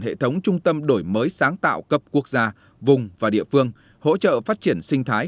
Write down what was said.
hệ thống trung tâm đổi mới sáng tạo cấp quốc gia vùng và địa phương hỗ trợ phát triển sinh thái